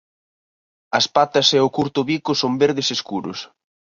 As patas e o curto bico son verdes escuros.